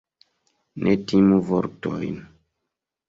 Ne timu vortojn.